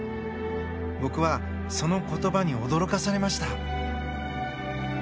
僕は、その言葉に驚かされました。